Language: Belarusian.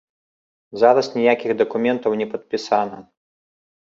Зараз ніякіх дакументаў не падпісана.